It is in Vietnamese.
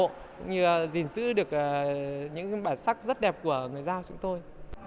cũng như gìn giữ được những bản sắc rất đẹp của người giao chúng tôi